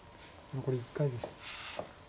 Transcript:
残り１回です。